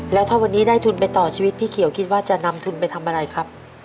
แล้วถ้าวันนี้ได้ทุนไปต่อชีวิตพี่เขียวคิดว่าจะนำทุนไปทำอะไรครับ